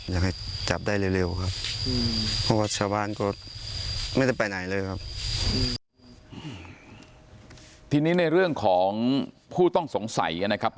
อยากให้จับได้เร็วครับ